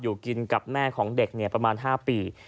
อยู่กินกับแม่ของเด็กประมาณ๕ปี